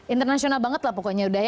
internasional banget lah pokoknya